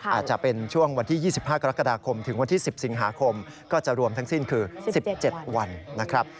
อาจจะเป็นช่วงวันที่๒๕กรกฎาคมถึงวันที่๑๐สิงหาคมก็จะรวมทั้งสิ้นคือ๑๗วันนะครับ